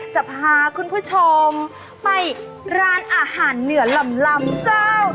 จะพาคุณผู้ชมไปร้านอาหารเหนือลำเจ้า